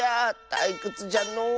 たいくつじゃのう。